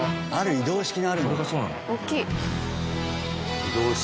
移動式の。